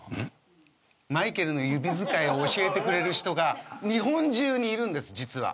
マイケルの指づかいを教えてくれる人が日本中にいるんです実は。